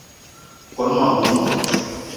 Kone ma mbomo.